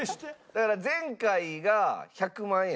だから前回が１００万円でしたっけ？